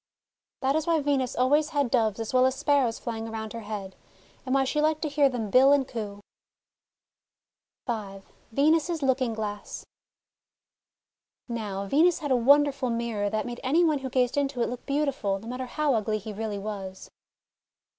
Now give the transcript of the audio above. That is why Venus always had Doves as well as Sparrows flying around her head, and why she liked to hear them bill and coo. V VENUS'S LOOKING GLASS Now, Venus had a wonderful mirror that made any one who gazed into it look beautiful, no matter how ugly he really was.